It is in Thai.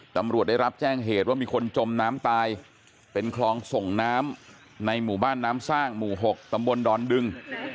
ตำรวจได้รับแจ้งเหตุว่ามีคนจมน้ำตายเป็นคลองส่งน้ำในหมู่บ้านน้ำสร้างหมู่๖ตำบลดอนดึง